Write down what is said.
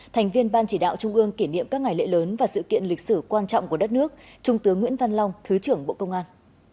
thành viên ban chỉ đạo trung ương kỷ niệm các ngày lễ lớn và sự kiện lịch sử quan trọng của đất nước trung tướng nguyễn văn long thứ trưởng bộ công an